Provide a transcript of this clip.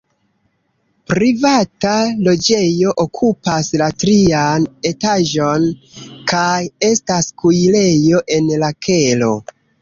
Privata loĝejo okupas la trian etaĝon kaj estas kuirejo en la kelo.